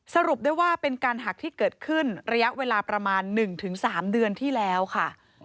สรุปได้ว่าเป็นการหักที่เกิดขึ้นระยะเวลาประมาณ๑๓เดือนที่แล้วค่ะ